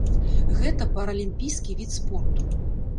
Гэта паралімпійскі від спорту.